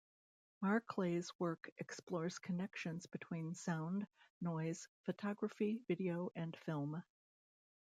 Marclay's work explores connections between sound, noise, photography, video, and film.